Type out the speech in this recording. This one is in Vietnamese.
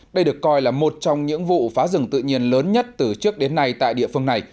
đây được coi là một trong những vụ phá rừng tự nhiên lớn nhất từ trước đến nay tại địa phương này